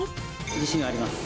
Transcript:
自信があります。